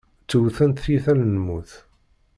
Ttewtent tiyita n lmut.